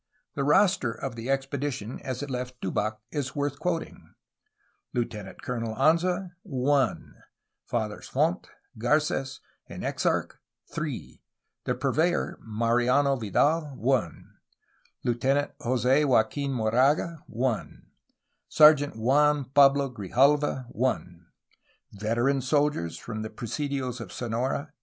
The roster of the the expedition as it left Tubac is worth quoting: Lieutenant Colonel Anza 1 Fathers Font, Garc^s, and Eixarch 3 The purveyor, Mariano Vidal 1 Lieutenant Jose Joaquin Moraga 1 Sergeant Juan Pablo Grijalva 1 Veteran soldiers from the presidios of Sonora